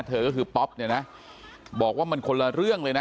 เธอก็คือป๊อปเนี่ยนะบอกว่ามันคนละเรื่องเลยนะ